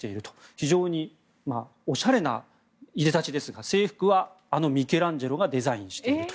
非常におしゃれないでたちですが制服はあのミケランジェロがデザインをしていると。